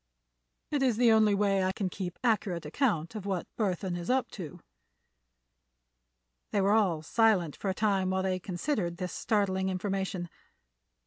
It is the only way I can keep accurate account of what Burthon is up to." They were all silent for a time while they considered this startling information.